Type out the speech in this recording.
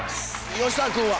吉沢君は？